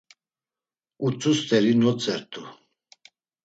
Utsu tsxeri notzert̆u.